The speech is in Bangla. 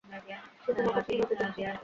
সে তোমার কাছে মিনতি করছে।